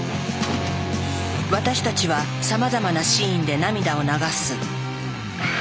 私たちはさまざまなシーンで涙を流す。